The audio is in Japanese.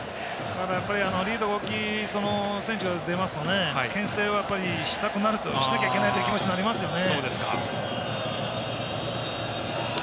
リード、大きい選手が出ますとけん制はしなきゃいけないという気持ちになりますよね。